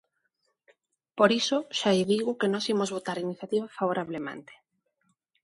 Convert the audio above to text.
Por iso xa lle digo que nós imos votar a iniciativa favorablemente.